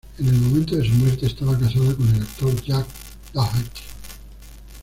En el momento de su muerte estaba casada con el actor Jack Dougherty.